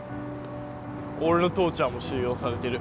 俺の父ちゃんも収容されてる。